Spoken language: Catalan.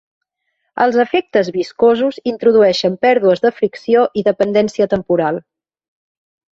Els efectes viscosos introdueixen pèrdues de fricció i dependència temporal.